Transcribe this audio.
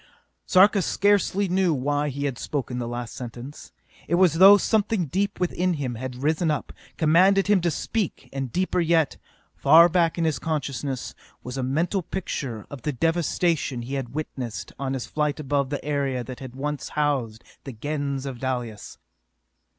Sarka scarcely knew why he had spoken the last sentence. It was as though something deep within him had risen up, commanded him to speak, and deeper yet, far back in his consciousness, was a mental picture of the devastation he had witnessed on his flight above the area that had once housed the Gens of Dalis.